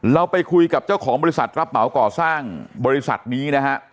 เราไปคุยกับเจ้าของบริษัทรับเหมาก่อสร้างบริษัทนี้นะฮะ